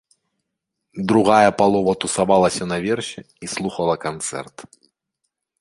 Другая палова тусавалася наверсе і слухала канцэрт.